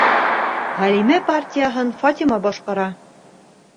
Ғәлимә партияһын Фатима башҡара